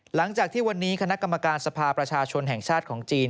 หลังจากที่วันนี้คณะกรรมการสภาประชาชนแห่งชาติของจีน